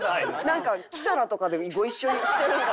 なんかキサラとかでご一緒にしてるんかな。